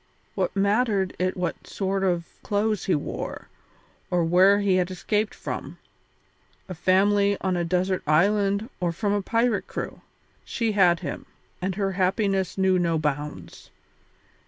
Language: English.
What mattered it what sort of clothes he wore, or where he had escaped from a family on a desert island or from a pirate crew? She had him, and her happiness knew no bounds.